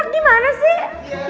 tadi tebetnya nggak di sini nih